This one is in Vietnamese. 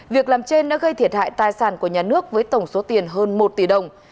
việc làm trên đã gây thiệt hại tài sản của nhà nước với tổng số tiền hơn một tỷ đồng